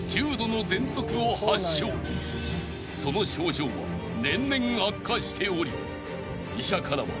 ［その症状は年々悪化しており医者からは］